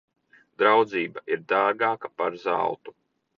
Draudzība ir dārgāka par zeltu.